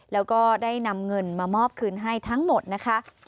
แล้วก็ได้นำเงินมามอบคืนให้ทั้งหมดนะคะ